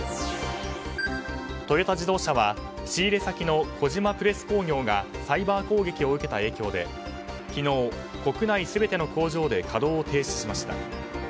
トヨタ自動車は仕入れ先の小島プレス工業がサイバー攻撃を受けた影響で昨日、国内全ての工場で稼働を停止しました。